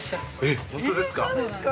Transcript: えっそうですか？